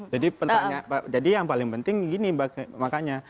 jadi pertanyaan jadi yang paling penting gini makanya